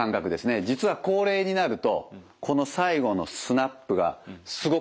実は高齢になるとこの最後のスナップがすごく弱くなるんですよ。